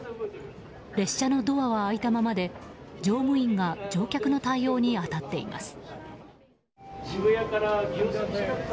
列車のドアは開いたままで乗務員が乗客の対応に当たっています。